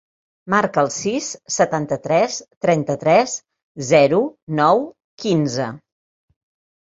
Marca el sis, setanta-tres, trenta-tres, zero, nou, quinze.